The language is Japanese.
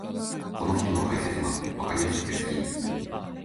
この人の解説はわかりやすくて好き